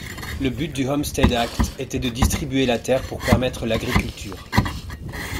Le but du Homestead Act était de distribuer la terre pour permettre l'agriculture.